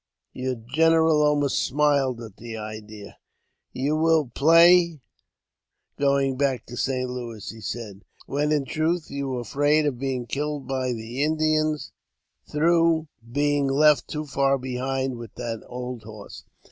The general almost smiled at the idea. " You will play goiiig back to St. Louis," he said, *" when, in truth, you were afraid of being killed by the Indians, through being left too far behind with that old horse."